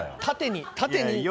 縦に縦に。